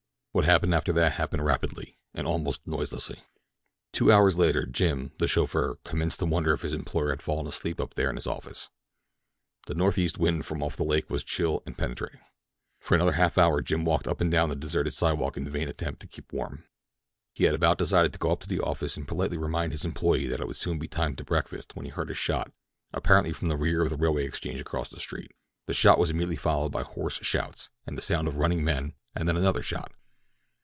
What happened after that happened rapidly—and almost noiselessly. Two hours later Jim, the chauffeur, commenced to wonder if his employer had fallen asleep up there in his office. The North East wind from off the lake was chill and penetrating. For another half hour Jim walked up and down the deserted sidewalk in a vain attempt to keep warm. He had about decided to go up to the office and politely remind his employer that it would soon be time to breakfast when he heard a shot, apparently from the rear of the Railway Exchange across the street. The shot was immediately followed by hoarse shouts, and the sound of running men, and then another shot.